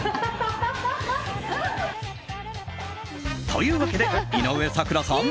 というわけで、井上咲楽さん